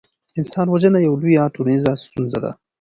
انسان وژنه یوه لویه ټولنیزه ستونزه ده.